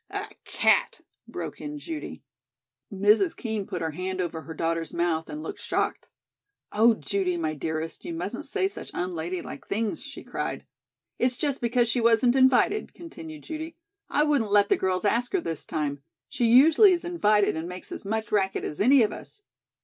A cat!" broke in Judy. Mrs. Kean put her hand over her daughter's mouth and looked shocked. "Oh, Judy, my dearest, you mustn't say such unladylike things," she cried. "It's just because she wasn't invited," continued Judy. "I wouldn't let the girls ask her this time. She usually is invited and makes as much racket as any of us."